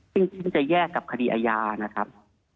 ซึ่งมันจะแยกกับคดีอาญานะครับ